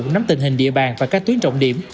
nắm tình hình địa bàn và các tuyến trọng điểm